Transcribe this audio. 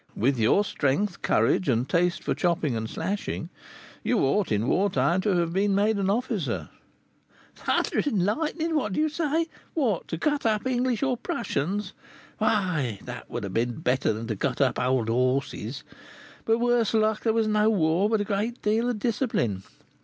"With your strength, courage, and taste for chopping and slashing, you ought, in war time, to have been made an officer." "Thunder and lightning! what do you say? What! to cut up English or Prussians! Why, that would have been better than to cut up old horses; but, worse luck, there was no war, but a great deal of discipline.